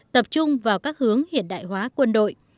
tập trung vào các hướng hiện đại hóa quân đội